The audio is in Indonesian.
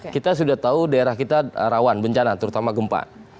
kita sudah tahu daerah kita rawan bencana terutama gempa